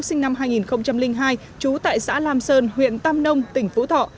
sinh năm hai nghìn hai trú tại xã lam sơn huyện tam nông tỉnh phú thọ